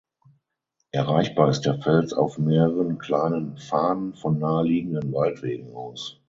Erreichbar ist der Fels auf mehreren kleinen Pfaden von naheliegenden Waldwegen aus.